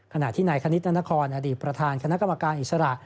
ขณะที่นายคณิตนานครอดีตประธานคณะกรรมการอิสระ